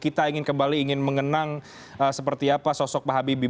kita ingin kembali ingin mengenang seperti apa sosok pak habibie